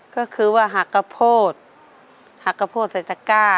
ก็คือว่าหักข้าวโพดหักข้าวโพดใส่สก้า